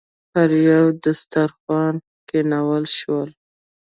پر یوه دسترخوان کېنول شول.